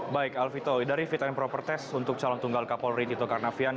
baik alvito dari fit and proper test untuk calon tunggal kapolri tito karnavian